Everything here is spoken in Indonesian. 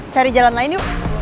cari jalan lain yuk